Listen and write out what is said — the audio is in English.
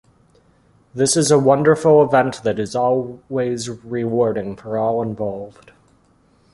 This is a wonderful event that is always rewarding for all involved.